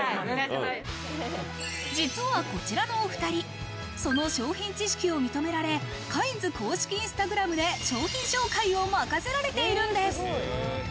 実はこちらのお２人、その商品知識を認められ、カインズ公式インスタグラムで商品紹介を任せられているんです。